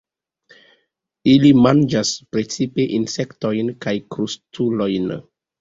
Ili manĝas precipe insektojn kaj krustulojn.